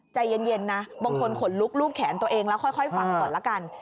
ใจเย็นนะบางคนขนลุกรูปแขนตัวเองแล้วค่อยฟังก่อนละกัน